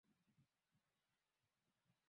miaka ijao watakuja sema waondoshwe pale